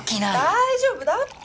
大丈夫だって！